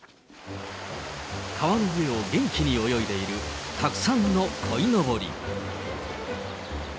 川の上を元気に泳いでいるたくさんのこいのぼり。